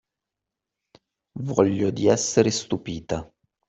Voglio di essere stupita.